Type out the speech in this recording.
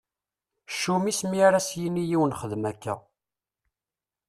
Ccum-is mi ara s-yini yiwen xdem akka.